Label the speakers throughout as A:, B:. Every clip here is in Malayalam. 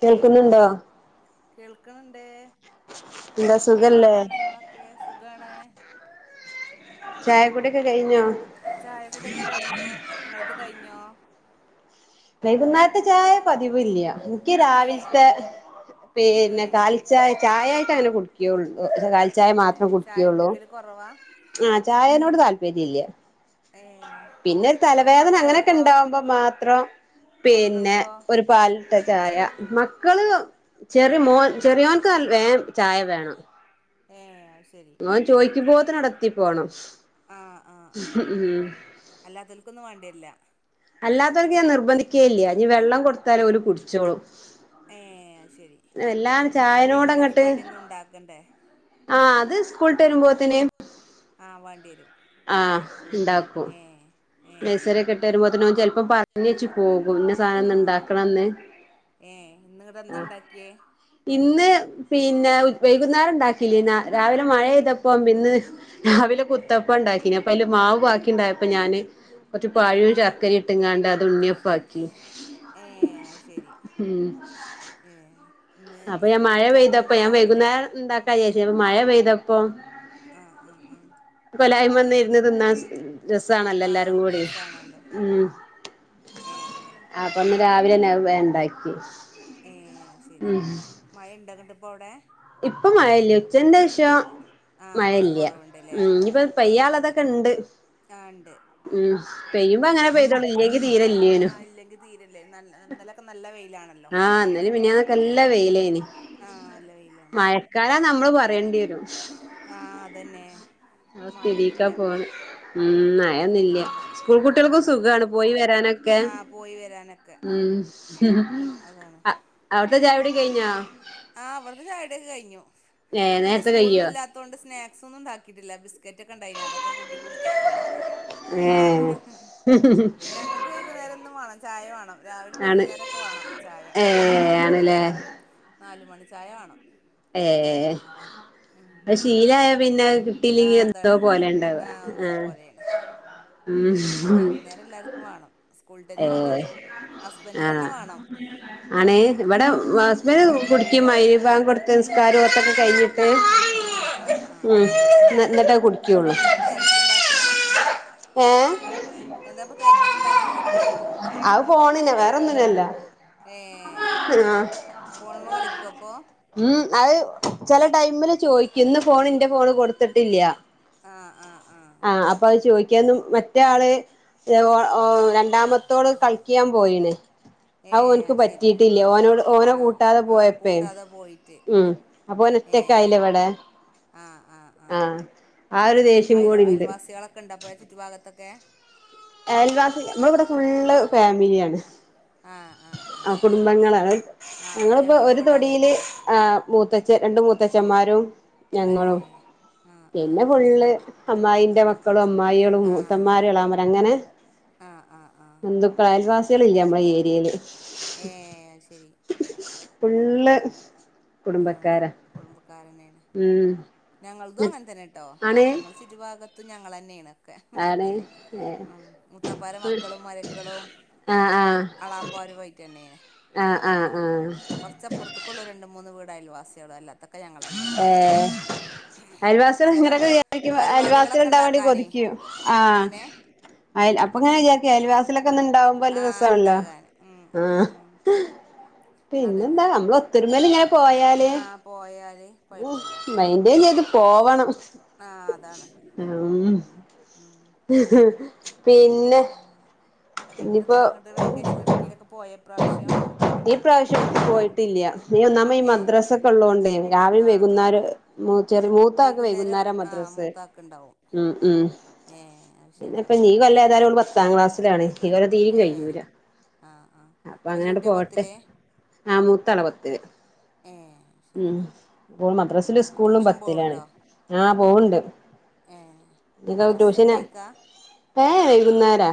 A: കേൾക്കുന്നുണ്ടോ?
B: കേൾക്ക്ണണ്ട്
A: എന്താ
B: എന്തൊക്കെ
A: സുഖല്ലേ
B: വർത്താനങ്ങളൊക്കെ സുഖാണ്.
A: ചായ കുടിയൊക്കെ
B: ചായകുടി ഒക്കെ കഴിഞ്ഞു ഇങ്ങളത് കഴിഞ്ഞോ?
A: വൈകുന്നേരത്തെ ചായ പതിവില്ല. ഇക്ക്
B: ഏ
A: രാവിൽത്തെ
B: ഏ
A: പിന്നെ കാലിച്ചായ ചായായിട്ട് അങ്ങനെ കുടിക്കുള്ളൂ കാ ചായ
B: ഏ
A: മാത്രം
B: ചായ
A: കുടിക്കുള്ളൂ.
B: കുടിക്കല് കുറവാ
A: ആ ചായനോട് താല്പര്യല്ല. ചാ
B: ഏ
A: പിന്നൊരു
B: അപ്പൊ
A: തലവേദന അങ്ങനെക്കെ
B: മക്കൾക്കോ
A: ഇണ്ടാവുമ്പോ മാത്രം പിന്നെ,
B: മക്കൾക്കോ
A: ഒരു പാലിട്ട ചായ മ മക്കള് ചെറിയ മോൻ ചെറിയോൻക്ക് വേം ചായ വേണം.
B: ഏ. ശരി
A: ഓൻ ചോയ്ക്കുമ്പോതിനവിടെതി പോണം
B: ആ ആ ആ
A: ഉം.
B: ഇല്ല.
A: അല്ലാത്തവർക്ക് ഞാൻ നിർബന്ധിക്കേ ഇല്ല ഇനി വെള്ളം കൊടുത്താലും ഓല് കുടിച്ചോളും.
B: ഏ അത്ശെരി
A: വല്ലാണ്ട്
B: അപ്പൊ വൈകുന്നേരം കടിയൊന്നും ണ്ടാക്കണ്ടേ?
A: ആ അത് സ്കൂൾട്ട് വരുമ്പോ ത്തിന്
B: ആഹ് വാണ്ടി വരും.
A: ആ ഉണ്ടാക്കും.
B: ഏ ഏ
A: നഴ്‌സറിയൊക്കെ വിട്ട് വരുമ്പോ ട്ടത്തിന് ഓൻ ചിലപ്പം പറഞ്ഞ് വച്ച് പോകും. ഇന്ന സാധനം
B: ആ
A: ഇന്ന് ഇണ്ടാക്കണംന്ന്
B: ഏ ഇന്ന് അവിടെ എന്താ ഉണ്ടാക്കിയേ?
A: ഇന്ന് പിന്നെ വൈകുന്നേരം ഉണ്ടാക്കില്ലേന്നാ രാവിലെ മഴെയ്തപ്പ ഇന്ന് രാവില കുത്തപ്പ ഉണ്ടാക്കിന അപ്പ അതില് മാവ് ബാക്കി ഉണ്ടായപ്പോ ഞാന് കുറച്ച
B: കുറച്ച് പാലും ശർക്കരയും ഇട്ട്ങ്ങാണ്ട് അത്
A: പഴ ചക്കര
B: ഉള്ളിൽ
A: ഇട്ട്ങ്ങാണ്ട്
B: പതി
A: അത് ഉണ്ണിയപ്പ ആക്കി.
B: ഏ അ ശരി ഏ ഇന്ന്
A: അപ്പൊ ഞാൻ മഴ
B: സ്കൂളൊന്നും ഇല്ലാത്തോണ്ട്
A: പെയ്തപ്പോ ഞാൻ
B: രാവിലെ
A: വൈകുന്നേരം ഇണ്ടക്കാ വിചാരിച്ച് അപ്പ മഴ പെയ്തപ്പോ
B: ആഹ ആഹ് ആ [unintelligible]
A: കൊലായ്മ വന്ന ഇരുന്ന് തിന്നാൻ രസണല്ലോ
B: ആ
A: എല്ലാരും കൂടിം
B: രസാണല്ലോ ആ
A: ഉം
B: ഏ
A: അപ്പൊ ഇന്നരാവിലെന്നെ അത് ഉണ്ടാക്കി.
B: ഏ ശെരി മഴ ഇണ്ടങ്ങട്ട് ഇപ്പ അവിടെ [unintelligible]
A: ഇപ്പൊ മയയില്ല ഉച്ചന്റശ്യം
B: ആ കുറച്ച്
A: മഴയില്ല
B: കുറവുണ്ട്ല്ലേ
A: ഉ ഇപ്പൊ പെയ്യൾ അതൊക്കെ ഉണ്ട്
B: ആ ഇണ്ട്
A: ഉം പെയ്യുമ്പോ അങ്ങനെ പെയ്തോളൂല്ലേങ്കി തീരെ
B: ആ
A: ഇല്ലേനു
B: ഇല്ലെങ്കിൽ തീരല്ലേ നല്ല ഇന്നലൊക്കെ നല്ല വെയി
A: ആഹ് ഇന്നലെ മിനിഞ്ഞാന്ന്ക്ക നല്ല വെയിലേന്
B: ആഹ അല്ല വയിലാണ്
A: നമ്മള് പറയേണ്ടി വരും
B: ആഹ അതന്നെ
A: ആ രക്കാ
B: മഴയൊന്നുല്ല
A: പോണ് [inaudible] ഉം മഴയൊന്നില്ല
B: ഉം
A: സ്കൂഗൾ കുട്ടികൾക്കും
B: മഴയൊന്നുല്ല
A: സുഖാണ് പോയി വരാനൊക്കെ
B: ആഹ് പോയി വരാനൊക്കെ
A: ഉം ഉം
B: അതാണ്
A: അവിടത്തെ ചായ കുടി ഒക്കെ കഴിഞ്ഞോ
B: ആഹ് ഇവിടത്തെ ചായ കുടിയൊക്കെ കഴിഞ്ഞു
A: ഏഹ്
B: ഇന്ന് പിന്നെ
A: നേരത്തെ
B: സ്കൂളൊന്നും
A: കയ്യോ
B: ഇല്ലാത്തൊണ്ട് സ്നാക്സ് ഒന്നും ഉണ്ടാക്കിയിട്ടില്ല ബിസ്ക്കറ്റൊക്കെ ഉണ്ടായിനി അതൊക്കെ കൂട്ടി കുടിച്ചെക്കയാണ്
A: ഏ
B: ഞങ്ങക്ക് വൈക്കുന്നേരം എന്നും വേണം ചായ വാണം
A: ആണ് ഏ ആണ്ല്ലേ
B: നാല് മണി ചായ വാണം
A: ഏ അത് ശീലായ പിന്നെ കിട്ടിയിലെങ്കി
B: ആഹ്
A: എന്തോ
B: അതാണ്
A: പോലണ്ടാവ
B: ആഹ്
A: ആ
B: അതേ പോലെയാണ്
A: ഉം
B: വൈകുന്നേരം എല്ലാർക്കും വാണം
A: ഏ ആഹ്
B: വേണം
A: ആണേ ഇവിടെ ഹസ്ബൻ കുടിക്കും മഗ്രിബാങ്ക് കൊടുത്ത് നിസ്കാരും ഓത്തൊക്കെ കഴിഞ്ഞ് ട്ട്
B: ആഹ് ആഹ് ആഹ്
A: ഉം എന്നിട്ടേ കുടിക്കുള്ളൂ
B: എന്താപ്പ തിരക്കുണ്ടാക്കണേ
A: ഏ
B: എന്താപ്പ തിരക്കുണ്ടാക്കണോയ്ക്ക
A: അത് ഫോണിന് വേറൊന്നിനല്ല
B: ഏ
A: ആഹ്
B: ഫോണുമ്മ കളിക്കോ അപ്പൊ
A: ഉം അത് ചില ടൈമില് ചോയ്ക്കും ഇന്ന് ഫോണ് ന്റെ ഫോണ് കൊടുത്തിട്ടില്ല
B: ആഹ് ആഹ്
A: ആഹ് അപ്പ അത് ചോദി ക്കും മറ്റാള് രണ്ടാമത്തോള് കളിക്കാൻ പോയിണ്
B: ഏ
A: ആ ഓൻക്ക്
B: അത് ശരി
A: പറ്റിട്ടില്ല ഓനോട് ഓനെ
B: ആഹ്
A: കൂട്ടാതെ
B: ആഹ്
A: പോയപ്പേ
B: കൂട്ടാതെ പോയിട്ട്
A: ഉം പോ
B: ഏ
A: നൊറ്റക്കായിലെ ഇവിടെ ആഹ് ആ ഒരു ദേഷ്യം
B: അയൽ
A: കൂടി ഇണ്ട്
B: അയൽവാസികളൊക്കെ ഇണ്ട അപ്പൊ ചുറ്റു ഭാഗത്തൊക്കെ
A: അയൽവാസ് നമ്മള് ഇവിടെ ഫുള്ള് ഫാമിലിയാണ്
B: ആഹ് ആഹ്
A: ആ
B: ആഹ്
A: കുടുംബങ്ങള് അ
B: ആഹ്
A: ഞങ്ങളിപ്പോ
B: ഞങ്ങളും
A: ഒരു
B: ഇവിടെ അങ്ങനെ
A: തൊടിയില്
B: തന്നെ
A: ആ മൂത്ത ച്ച രണ്ട് മൂത്തച്ഛന്മാരും
B: ഏ
A: ഞങ്ങളും
B: ആഹ് ആഹ്
A: പിന്നെ
B: ആഹ്
A: ഫുള്ള് അമ്മായിന്റെ മ ക്കളും അമ്മായളും
B: ആഹ്
A: മൂത്തന്മാരും
B: അങ്ങനെന്നെ
A: എളേമാരും അങ്ങനെ
B: ആഹ് ആഹ് ആഹ്
A: ബന്ധുക്കളായ അയൽവാ കളില്ല നമ്മുടെ ഏരിയേല്
B: ഏ ശരി
A: ഫുള്ള്
B: ആഹ്
A: കുടുംബക്കാരാ
B: കുടുംബക്കാരന്നെയാണ്
A: ഉം
B: ഞങ്ങൾതും അങ്ങനെ തന്നെട്ടോ
A: ആണ്
B: ഞങ്ങൾ ചുറ്റുഭാഗ ത്തും ഞങ്ങളെന്നെയാണൊക്കെ
A: ആണ്
B: ഉം മുത്താപ്പാരെ മക്കളും മരിയക്കളും
A: ആഹ് ആഹ്
B: എളാപ്പാരു ആയിട്ട് തന്നേണ്
A: ആഹ് ആഹ് ആഹ്
B: അയൽവാസികൾ അല്ലാത്തൊക്കെ ഞങ്ങൾ തന്നെയാണ്
A: അയൽവാസി [inaudible]
B: അങ്ങനെ
A: ഇങ്ങനൊക്കെ
B: ആകുമ്പോ
A: വിചാരിക്കുമ്പോ അയൽവാസികൾ
B: പരിപാടികളൊക്കെ
A: ഉണ്ടാവാൻ വേണ്ടി
B: ഉണ്ടാക്കാനേ
A: കൊതിക്കും ആ
B: എങ്ങനെ
A: അ അപ്പ അങ്ങനെ വിചാരിക്കും അയൽവാസി ഒന്ന് ണ്ടാവുമ്പോ
B: ആ
A: രസാണല്ലൊ
B: ഉണ്ടാകാൻ ഉം ഉം ഉം
A: പിന്നെന്താമ്മ തിരുമലിങ്ങ
B: ആഹ് പോയാല്
A: മെയിന്റെയിൻ ചെയ്ത് പോവണം
B: ആ അതാണ് ഉം
A: ആഹ് പിന്നെ ഇനിയിപ്പോ
B: എന്താ ങ്ങട്ട് വെക്കേഷൻ എട്ക്കേലൊക്കെ പോയോ ഇപ്രാവശ്യം
A: ഈ പ്രാവശ്യം പോയിട്ടില്ല ന്നെ ഒന്നാമ ഈ
B: ഏ
A: മദ്രാസ ഒക്കെ ഉള്ളതോൊണ്ടേ രാവിലെ
B: ആ
A: വെകുന്നേര
B: ആ
A: ചെറിയ മൂത്ത ആക്കെ
B: വൈകുന്നേരം
A: വൈകുന്നേര
B: ആ
A: മദ്രസ്സ്
B: മൂത്താക്കുണ്ടാവും
A: ഉം ഉം
B: ഏ അത്
A: പിന്നെ
B: ശരി
A: ഇപ്പ ഞ്ഞീ ഈ കൊല്ലം ഏതായാലും ഓള് പത്താം ക്ലാസ്സിലാണ് ഈ കൊല്ലം തീരിം
B: ഏ
A: കയ്യൂല
B: ആ ആ
A: അപ്പൊ
B: വല്യ
A: അങ്ങനട്ട്
B: കുട്ടിയാ
A: പോവട്ടെ
B: പത്തില്
A: ആഹ് മൂത്താള പത്തിൽ
B: ഏ ശരി
A: ഉം ഓൾ
B: ഉം
A: മദ്രാസിലും സ്കൂളിലും
B: ട്യൂഷൻ
A: പത്തിലാണ്
B: പോവുണ്ടോ
A: ആഹ് പോവ്ണ്ട്
B: ഏ
A: എ
B: മദ്രസ
A: ട്യൂഷന്
B: സുബൈക്കാ
A: ഏ വൈകുന്നേരാ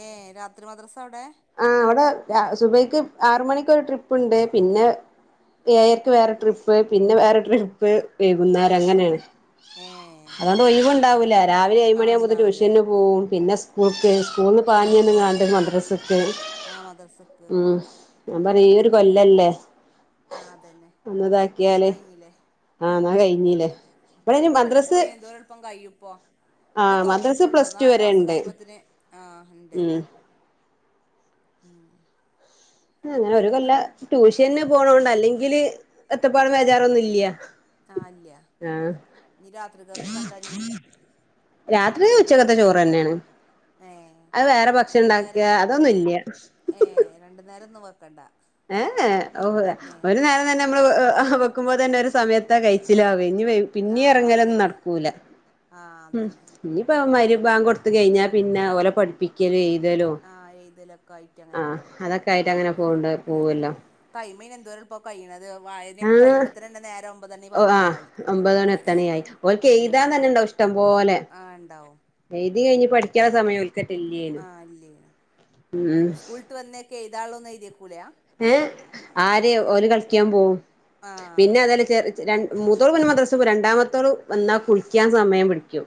B: ഏ രാത്രി മദ്രസ അവിടെ-
A: ആഹ് അവിടെ രാ സുബൈക്ക് ആറ് മണിക്ക്രു ഒര് ട്രിപ്പ്ണ്ട് പിന്നെ- ഏയയ്ക്ക് വേറെ ട്രിപ്പ് പിന്നെ വേറെ ട്രിപ്പ്- പ്പ്
B: ആ
A: വൈകുന്നരം
B: ആ
A: അങ്ങനെയാണ്
B: ഏ
A: അതൊണ്ട്ഒഴ്വണ്ട രാവിലെ ഏഴുമ
B: ആ
A: മണിയ ആമ്പോൾ
B: ഉണ്ടാവൂല
A: ട്യൂഷന് പോവും പിന്നെ സ്കൂൾക്ക് സ്കൂളിൽന്ന്
B: ആ ആ
A: പാഞ്ഞ്ന്നങ്ങാണ്ട് മദ്രസ്സ്-
B: ആ മദ്രസക്ക്
A: ഉം ഞാൻ പറയ് ഈ ഒരു കൊല്ലല്ലേ?
B: ആഹ് അതന്നെ പിന്നെ കഴിഞ്ഞില്ലേ-
A: ആന്നാ കഴിഞ്ഞീല്ലേ-
B: ഒരു കൊല്ലൊക്കെ പയി എന്തോരെളുപ്പം കഴും ഇപ്പോ-
A: ആ
B: ഇപ്പ
A: മദ്രസ്
B: തൊർന്ന്ട്ടൊള്ളു
A: പ്ലസ് ടു
B: നാൽ
A: വരെ
B: മാസം
A: ഉണ്ട്
B: കയ്യുമ്പോത്തിന് ആഹ് ഇണ്ട്
A: ഉം അങ്ങെനെ ഒര്
B: അത്
A: കൊല്ലം
B: ശരി
A: ട്യൂഷെന്ന് പോണോണ്ട് അല്ലെങ്കിൽ ബെത്തപ്പാടും ബെജാറും ഒന്നും ഇല്ല
B: ആഹ് ഇല്ല്യാ
A: ആ
B: ഇഞ്ഞ് രാത്രിക്കൊക്കെ എന്താഞ്ഞ്
A: രാത്രിക്ക് ഉച്ചക്കെത്തെ ചോറെന്നെയാണ്
B: ഏ
A: അയ് വേറെ ഭക്ഷണം
B: രണ്ടു നേരം
A: ഇണ്ടാക്കാ അതൊന്നും ഇല്ല
B: ന്നും വെക്കെണ്ട
A: ഏഹ് ഏഹ് ഓഹ് ഒര് നേരം തെന്നെ നമ്മെൾ വെ ക്കുമ്പോ തെന്നെ ഒര് സമയെത്താ കഴിച്ചിൽ ആവെയ് ഇഞ്ഞ് വൈ
B: ആ
A: പിന്നിം എറങ്ങലൊന്നും
B: അതന്നെ
A: നടക്കൂലാ
B: ആ
A: ഉം
B: അതന്നെ
A: ഇഞ്ഞ് ഇപ്പം മഹ്‌രി ബാങ്ക് കൊട്ത്ത് കെഴിഞ്ഞാ പിന്നെ ഓലെ പഠിപ്പിക്കെൽ എഴ്
B: ആഹ് എഴ്തലൊ
A: ആഹ് അതൊക്കെ ആയിറ്റ് അങ്ങനെ പോവ്ണ്ട് പോവോല്ലോ
B: ടൈമ് അയിന് എന്തോര് എൾപ്പാ കയ്യ്ണെത്
A: ആ
B: വായനൊക്കെ കയ്യുമ്പോത്തിനെന്നെ നേരം ഒമ്പെത് മണി പത്തെണി ആയി
A: ണി ആയി ഓൽക്ക്
B: ഉം
A: എഴ്താൻ തന്നെ ഇണ്ടാവും ഇഷ്ടം പോലെ
B: ആ ഉണ്ടാവും
A: എഴ്തി കഴിഞ്ഞ് പഠിക്കാള്ളെ സമയം ഒൽക്കെറ്റെ
B: ആ
A: ഇല്ലെയ്നും
B: ഇല്ലേനു
A: ഉം
B: എഴ്താള്ളൊന്നും എഴ്തിവെക്കൂലാ
A: ഏഹ് ആര് ഓൽ കൾക്ക്യാൻ പോവും പിന്നെ
B: ആ
A: അത് അല്ല ചെറെ ചെ രൺ മൂത്തോൾ പിന്നെ മദ്രസ് പോവും രണ്ടാമത്തോൾ വന്നാ കുളിക്ക്യാൻ സമയം പിടിക്കും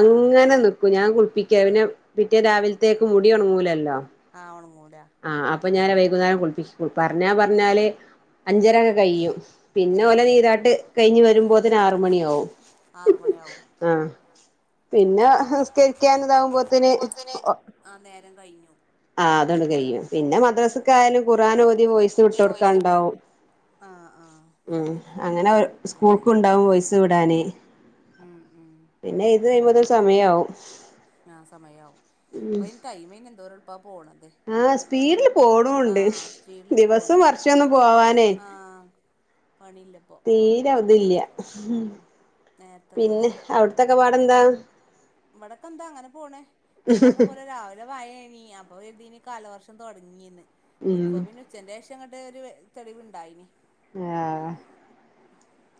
B: ആഹ് ആഹ്
A: നിക്കും ഞാൻ കുൾപ്പിക്ക്യാ പറിം പിന്നെ പിറ്റേ രാവിൽത്തേക്ക് മുടി ഒണങ്ങൂലല്ലോ
B: ആഹ് ഒണങ്ങൂ
A: ആഹ് അപ്പ ഞാൻ വൈകുന്നേരം കുൾപ്പിക്കും പർണാ പർണാൽ അഞ്ചര ഒക്കെ കയ്യും പിന്നെ ഓലെ
B: ഏഹ്
A: നീരാട്ട് കഴിഞ്ഞ് വെരുമ്പോത്തിന് ആറ് മണിയാവും
B: ആറ് മണിയാവും
A: ആഹ് പിന്നെ
B: ഏഹ്
A: നിസ്കരിക്കാൻ ഇതാവുമ്പോത്തിന് ഓ
B: ആ നേരം കഴിഞ്ഞു
A: ആ അതൊണ്ട് കഴിയും പിന്നെ മദ്രാസക്കായയാലും ഖറാന പോ വിട്ടോടുക്കാണ്ടാവും
B: ആഹ് ആഹ്
A: ഉം അങ്ങനെ
B: അതന്നെ
A: സ്കൂൾക്ക് ഉണ്ടാവും പയിസ് വിടാന്
B: ഉം ഉം
A: പിന്നെ ഇത് കഴിയ്പോത സമയവും
B: ആ സമയയാവും അപ്പയിന്റെ അൈമന എന്തോര
A: ആ സ്പീഡില് പോണുണ്ട്
B: ആഹ് സ്പീഡില്
A: ദിവസവും
B: പോണുണ്ട്
A: വർഷ ഒന്നു പോവാനേ
B: ആഹ് പണിയില്ലപ്പോ
A: തീരെ അവതല്ല
B: ഉം നേരത്തെ
A: പിന്നെ അവിടത്തെ വാടന്താ
B: ഇവിടെൊക്കെ എന്താ അങ്ങനെ പോണേ നിങ്ങ പറഞ്ഞ പോലെ രാവിലെ വയനി അപ്പൊ എഴുതീ കാലവർഷം തുടങ്ങിയന്ന്
A: ഉം
B: ഇപ്പൊ പിന്നെ ഉച്ചന്റെ ശേഷം അങ്ങട്ട ഒരു തെളിവുണ്ടായിന്
A: ആ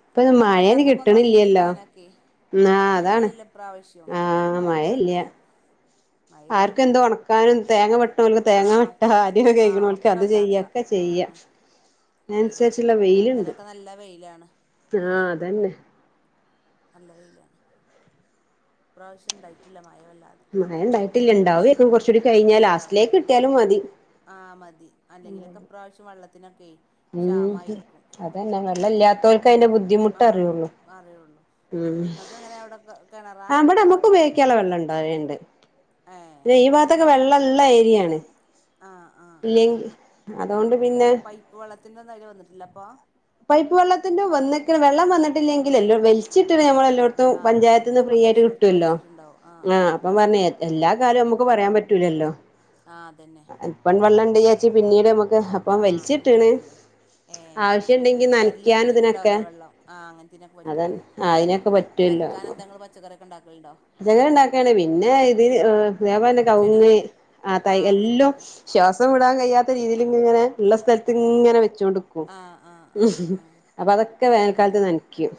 A: ഇപ്പൊത് മഴന് കിട്ടണില്ലല്ലോ ആഹ് അതാണ്
B: മയല്ലെല്ലാം പ്ര്രാവശ്യവും തീരി മഴ ഉണ്ടായിട്ടില്ല മഴയില്ല
A: ആർക്ക എന്തോ ഉണക്കാനും തേങ്ങ വെ നക്ക് തേങ്ങ
B: ആഹ്
A: വട്ട കാര്യമ
B: ആഹ്
A: കഴക്ക്
B: ഒക്കെ
A: അത്
B: ഉണ്ടാക്കാം
A: ചെയ്യൊക്കെ ചെയ്യ
B: ഉം അതന്നെ
A: അനുസരിച്ചുള്ള വെയിലുണ്ട്
B: ഇന്നലെയൊക്കെ നല്ല വെയിലാണ്
A: ആ അതന്നെ
B: പ്രാവശ്യം ഡയറ്റ
A: മഴ ഉണ്ടായിട്ടില്ല ഇണ്ടാവക്ക കുറച്ചൂടി കഴിഞ്ഞാ ലാസ്റ്റിലേക്ക്
B: ഉണ്ടാവേക്കും
A: കിട്ടിയാലും മതി
B: ആ മതി അല്ലെങ്കിലൊക്കെ പ്രാവശ്യം വള്ള
A: ഉം അതന്നെ വള്ളല്ലാത്തവർക്ക് അതിന്റെ ബുദ്ധിമുട്ട
B: ആ
A: അറിയുള്ളു
B: അറിയുള്ളൂ
A: ഉ
B: നിങ്ങൾക്ക് എങ്ങനെ അവിടെ കിണറാ
A: ആ അമ്മടെ നമ്മക്ക് ഉപയോഗിക്കുള്ള വെള്ളം ഇണ്ടണ്ട്
B: ഏ
A: പിന്നെ ഈ ഭാഗത്തൊക്കെ വെള്ളമള്ള ഏരിയാണ്
B: ആ ആ ആ
A: ഇല്ലെ അതുകൊണ്ട് പിന്നെ
B: പൈപ്പ് വെള്ളത്തിന്റെ ഒന്നും അതില് വന്നിട്ടില്ല അപ്പൊ
A: പൈപ്പ് വെള്ളത്തിന്റെ വന്ന വെള്ളം വന്നിട്ടില്ലെങ്കിൽ ച്ചിട്ട
B: ആ
A: നഞമ്മള എല്ലായിടത്തും
B: ആ ആ
A: പഞ്ചായത്ത്ൽ നിന്ന് ഫ്രീ ആയിട്ട്
B: അപേക്ഷ കൊടുത്ത്
A: കിട്ടുമല്ലോ
B: വലിച്ചിട്ടുണ്ടാവും
A: ആ അപ്പം പറഞ്ഞ എല്ലാ കാലവും നമുക്ക് പറയാൻ പറ്റൂലല്ലോ
B: ആ അതന്നെ
A: അപ്പൺ വെള്ളംണ്ട് ചാച്ചി പിന്നീട് നമുക്ക് അപ്പം
B: ആഹ്
A: വലിച്ചിട്ടണ്
B: അങ്ങനെയാന്നല്ലേ ഏഹ്
A: ആശ്യ ണ്ടെങ്കി
B: വെരല്
A: നനക്കൻ ഇതിനൊക്കെ
B: ഒടുങ്ങിയിട്ടുണ്ടാവില്ലേ വെള്ളം ആഹ് അങ്ങനത്തിനൊക്കെ
A: അത
B: പറ്റും
A: അയിതിനൊക്കെ പറ്റൂല്ലോ
B: നനക്കാൻ എന്താ ഇങ്ങള് പച്ചക്കറിയൊക്കെ ഉണ്ടാക്കലുണ്ടോ
A: അതെങ്ങനെ ഉണ്ടാക്കാണ് പിന്നെ ഇതിന് അതേപോലെന്നെ കവുങ്
B: ചെടികളോ
A: ആ തൈ
B: ആഹ്
A: എല്ലാം
B: അങ്ങനത്തൊക്കെ
A: ശ്വാസ രസടൻ കഴിയാത്ത രീതിയി ഇങ്ങന ഉള്ള സ്ഥല ഇങ്ങനെ വടുക്കും
B: ആഹ് ആഹ് ആഹ് ആഹ്
A: അപ്പൊ അതൊക്കെ വേനൽക്കാലത്ത്
B: ഏഹ്
A: നനക്കും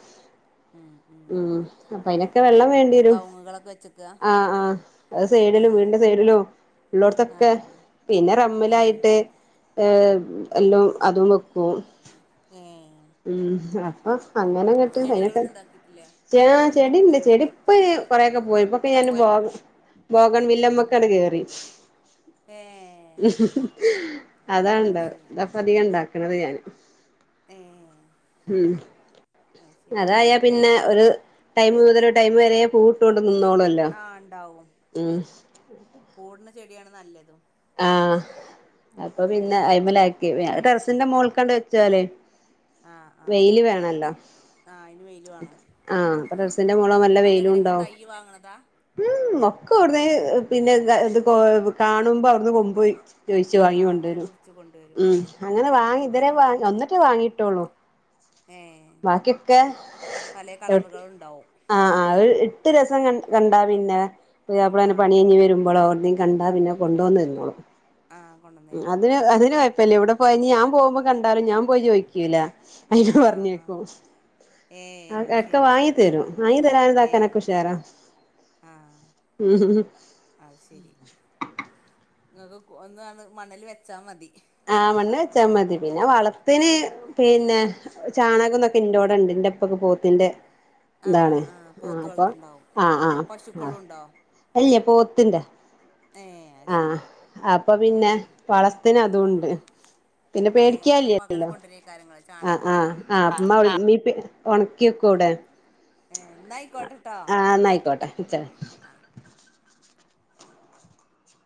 B: ഉം
A: ഉം അപ്പൊ അതിനൊക്കെ വെള്ളം വേണ്ടി വരും
B: മങ്ങുകളൊക്കെ
A: ആ ആഅത് സൈഡിലും വീന്റെ സൈഡിലും ഉള്ളോടത്തൊക്കെ
B: ആഹ് ആഹ്
A: പിന്നെ
B: ഏഹ്
A: റമ്മലായിട്ട് ഏ എല്ലാം അതും പോഓ
B: ഉം
A: ഉം അപ്പൊ അങ്ങനെങ്ങട്ട് അനൊക്കെ
B: ചെടികളൊന്നും ഉണ്ടാക്കിയിട്ടില്ലേ
A: ച ചെടിണ്ട് ചെടിപ്പൊ കൊറെൊക്കെ പോയി ഇപ്പൊക്കെ ഞൻകൻ ല്ലമ്മക്കടെ കേറി
B: ഏഹ്
A: അതാ
B: അത്
A: ഇണ്ടാവ
B: ശരി
A: ഇതപ്പൊ അധികം ഇണ്ടാക്കണത് ഞാാന്
B: ഏഹ്
A: ഉ
B: അത് ശരി
A: അതായാ പിന്നെ ഒരു ടൈം്ൂതര ടൈം് വരെ പൂട്ട് കൊടുക്കുന്നു
B: ആ ഉണ്ടാവും ഉം പൂടുന്ന ചെടിയാണ് നല്ലതും
A: ആ അപ്പൊ പിന്നെ
B: ഉം
A: അ്മല ആക്കി ടെറസിന്റെറെ മോൾ കണ്ട് വെച്ചല്ലേ
B: ആ ആ
A: വെയില് വേണല്ലോ
B: ആ അയിന് വെയില് വേണം
A: ആസിന്റെ മോളം നല്ല വെയിലും
B: അതെങ്ങനെ
A: ഉണ്ടോ
B: ഇങ്ങള് തയ്യ് വാങ്ങണതാ
A: ഉം ഒക്കെ വിടന പിന്നെ ഇത് കാണുമ്പോ അവിടുന്ന് കൊപ പോയി ചോയിിച്ചു
B: ആ
A: വാങ്ങ
B: അങ്ങനെ
A: കൊണ്ടുവരും
B: പിടിച്ച് കൊണ്ടുവരും
A: ഉം അങ്ങനെ വാങ്ങി
B: ഏ
A: ഇതരെ വാ ഒന്നിട്ടേ വാങ്ങിട്ടോളൂ
B: ഏ
A: ബാക്കിയൊക്കെ
B: പലേ കളറുകളുണ്ടാവും
A: ആ ആ എട്ട് രസം ക കണ്ടാ പിന്നെ
B: ആ
A: അപ്പോളങ്ങനെ പണിയഞ്ഞഞ്
B: അതന്നെ
A: വരുമ്പോഴോ അവടെേയും കണ്ടാ പിന്നെ കൊണ്ട വന്നില്ല
B: ആ
A: [unintelligible]
B: കൊണ്ടന്നേരും
A: അന്ന് അന്ന് പിന്നെ കൊഴ് പ്പ ഇല്ല എവ്ടെ പോയാലും ഇഞ്ഞ് ഞാ പോവുമ്പോ കണ്ടാലും ഞാ പോയി ചോയിക്കൂലാ അയ് ഞാ
B: ആ ആ
A: പർഞ്ഞേക്കും.
B: ഏ
A: ആ
B: അത്
A: ഒക്കെ
B: ശരി
A: വാങ്ങി തരും വാങ്ങി തരാനുംത്താക്കാനൊക്കെ ഉഷാറ.
B: ആഹ് അത് ശരി. ങ്ങക്ക് ഒന്നങ് മണ്ണിൽ വെച്ചാമതി.
A: ആ മണ്ണ് വച്ചമ്മതി പിന്നെ വളത്തിന്
B: ഏ
A: പിന്നെ- ചാണകം തൊക്കെ എന്റെറോടെണ്ട്ൻന്റെപ്പൊക്കെ പോത്തിന്റെ-
B: ആഹ്
A: താണ് ആഹ്
B: പോത്ത്
A: അപ്പൊ
B: വളർത്തുണ്ടാവും
A: ആഹ്
B: പശുക്കളും ഉണ്ടോ
A: ആഹ്- പോത്തിന്റെ
B: ഏഹ് അത്
A: ആഹ്
B: ശരി
A: അപ്പൊ പിന്നെ
B: ആഹ്
A: വളത്തിന്- അതുണ്ട്. പിന്നെ
B: ഏഹ് അപ്പൊ അങ്ങനെ
A: പേടിക്കല്ലലോ
B: കൊണ്ടുവരേക്കാരങ്ങള്
A: ആഹ്
B: ചാണകം
A: അഹ് ആഹ് ഇമ്മ ഇപ്പ- ക്യോ കൂടെ
B: ഏഹ് എന്നായിക്കോട്ടെട്ടോ
A: ആ ന്നാ ആയിക്കോട്ടെ ചാളി.
B: ആഹ്